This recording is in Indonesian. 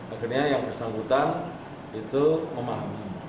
akhirnya yang bersangkutan itu memahami